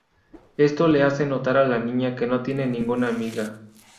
Esto le hace notar a la niña que no tiene ninguna amiga.